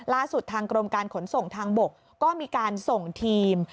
ล่าสุดทางกรมการขนส่งทางบกก็มีการส่งทีม